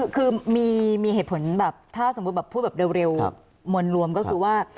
คือมีเหตุผลแบบถ้าสมมุติแบบพูดแบบเร็วมวลรวมก็คือว่า